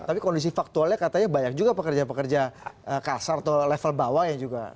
tapi kondisi faktualnya katanya banyak juga pekerja pekerja kasar atau level bawah yang juga